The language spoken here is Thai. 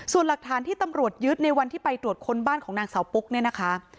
ส่วนหลักฐานที่ตำรวจยึดในวันที่ไปตรวจค้นบ้านของนางสาวปุ๊กเนี่ยนะคะ